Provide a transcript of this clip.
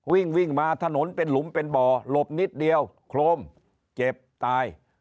วิ่งวิ่งมาถนนเป็นหลุมเป็นบ่อหลบนิดเดียวโครมเจ็บตาย